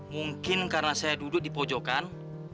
mungkin karena saya duduk di pojokan